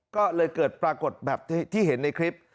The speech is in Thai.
ก็เลยเกิดปรากฏแบบที่เห็นในคลิป